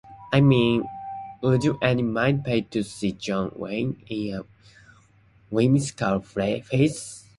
I mean, would anybody pay to see John Wayne in a whimsical farce?